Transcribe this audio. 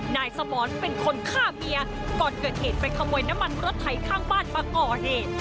นายสมรเป็นคนฆ่าเมียก่อนเกิดเหตุไปขโมยน้ำมันรถไถข้างบ้านมาก่อเหตุ